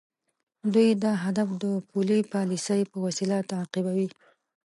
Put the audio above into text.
دوی دا هدف د پولي پالیسۍ په وسیله تعقیبوي.